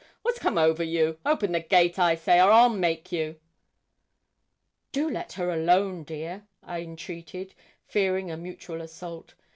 What's come over you? Open the gate, I say, or I'll make you.' 'Do let her alone, dear,' I entreated, fearing a mutual assault.